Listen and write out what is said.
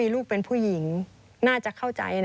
มีบอกว่าเป็นผู้การหรือรองผู้การไม่แน่ใจนะคะที่บอกเราในโทรศัพท์